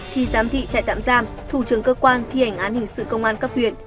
thì giám thị chạy tạm giam thủ trường cơ quan thi hành án hình sự công an cấp huyện